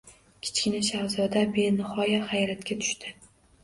Kichkina shahzoda benihoya hayratga tushdi.